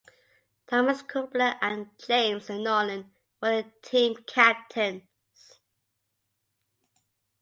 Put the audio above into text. Thomas Kubler and James Nolan were the team captains.